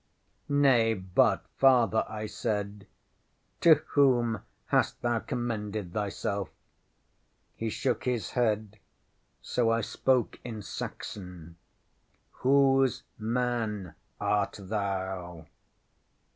ŌĆśŌĆ£Nay, but, Father, ŌĆØ I said, ŌĆ£to whom hast thou commended thyself ?ŌĆØ He shook his head, so I spoke in Saxon: ŌĆ£Whose man art thou?